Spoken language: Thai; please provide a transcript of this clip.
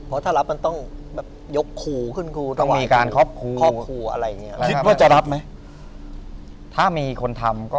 เพราะถ้ารับมันต้องยกขู่ขึ้น